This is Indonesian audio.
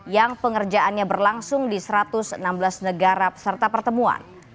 yang pengerjaannya berlangsung di satu ratus enam belas negara peserta pertemuan